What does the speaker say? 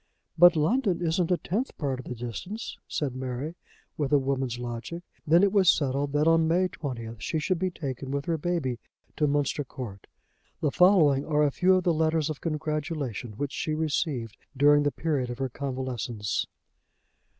"But London isn't a tenth part of the distance," said Mary, with a woman's logic. Then it was settled that on May 20th she should be taken with her baby to Munster Court. The following are a few of the letters of congratulation which she received during the period of her convalescence.